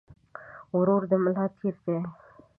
ورور د ملا تير دي